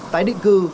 tái định cư